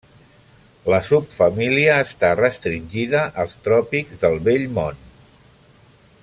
La subfamília està restringida als tròpics del Vell Món.